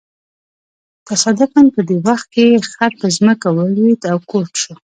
تصادفاً په دې وخت کې یې خر په ځمکه ولویېد او ګوډ شو.